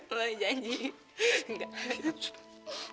loh janji enggak